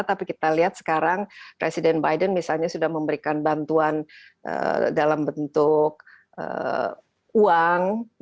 tapi kita lihat sekarang presiden biden misalnya sudah memberikan bantuan dalam bentuk uang